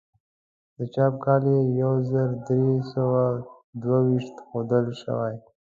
د چاپ کال یې یو زر درې سوه دوه ویشت ښودل شوی.